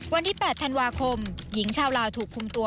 วันที่๘ธันวาคมหญิงชาวลาวถูกคุมตัว